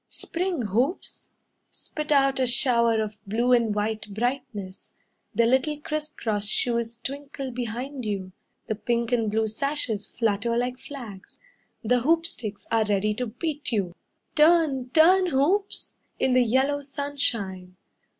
Spring, Hoops! Spit out a shower of blue and white brightness. The little criss cross shoes twinkle behind you, The pink and blue sashes flutter like flags, The hoop sticks are ready to beat you. Turn, turn, Hoops! In the yellow sunshine.